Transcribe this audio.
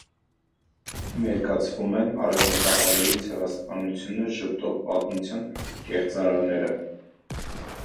Մերկացվում են արևմտահայերի ցեղասպանությունը ժխտող պատմության կեղծարարները։